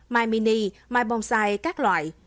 mai mini mai bonsai các loại